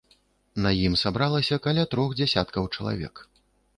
На ім сабралася каля трох дзясяткаў чалавек.